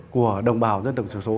của đồng bào dân tộc thiểu số